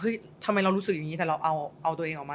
ทำไมเรารู้สึกอย่างนี้แต่เราเอาตัวเองออกมา